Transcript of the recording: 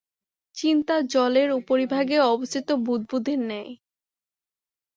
চিন্তা জলের উপরিভাগে অবস্থিত বুদ্বুদের ন্যায়।